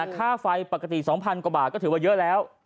ค่าไฟปกติ๒๐๐กว่าบาทก็ถือว่าเยอะแล้ว